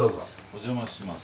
お邪魔します。